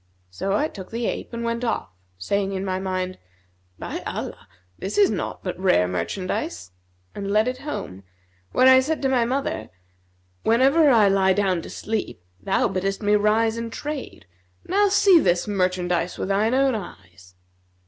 So I took the ape and went off, saying in my mind, 'By Allah, this is naught but rare merchandise!' and led it home, where I said to my mother, 'Whenever I lie down to sleep, thou biddest me rise and trade; see now this merchandise with thine own eyes.'